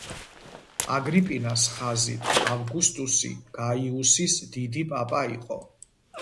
აგრიპინას ხაზით, ავგუსტუსი გაიუსის დიდი პაპა იყო.